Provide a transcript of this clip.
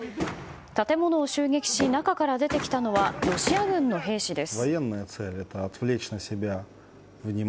建物を襲撃し中から出てきたのはロシア軍の兵士です。